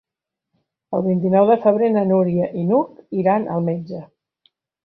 El vint-i-nou de febrer na Núria i n'Hug iran al metge.